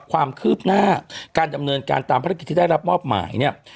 ความคืบหน้าการดำเนินการตามภารกิจที่ได้รับมอบหมายเนี่ย